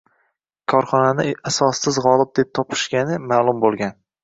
Korxonani asossiz gʻolib deb topishgani maʼlum boʻlgan.